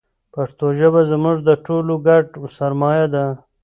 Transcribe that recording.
پښتو ژبه زموږ د ټولو ګډه سرمایه ده.